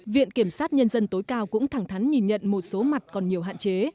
viện kiểm sát nhân dân tối cao cũng thẳng thắn nhìn nhận một số mặt còn nhiều hạn chế